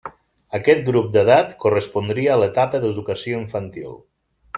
Aquest grup d'edat correspondria a l'etapa d'educació infantil.